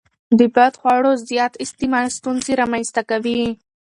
د بدخواړو زیات استعمال ستونزې رامنځته کوي.